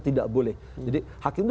tidak boleh jadi hakim itu